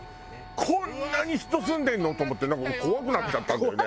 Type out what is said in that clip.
こんなに人住んでんの？と思ってなんかもう怖くなっちゃったのよね。